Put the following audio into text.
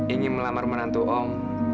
ingin melamar menantu om